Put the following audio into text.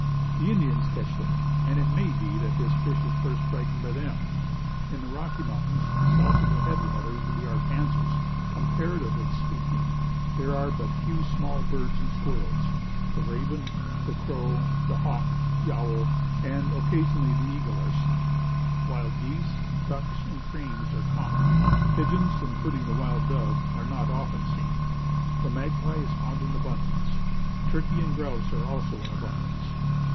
The Indians catch them, and it may be that this fish is first frightened by them. In the Rocky Mountains, south of the head waters of the Arkansas, comparatively speaking, there are but few small birds and squirrels. The raven, the crow, the hawk, the owl, and occasionally the eagle, are seen. Wild geese, ducks, and cranes, are common. Pigeons, including the wild dove, are not often seen. The magpie is found in abundance. Turkeys and grouse are also in abundance.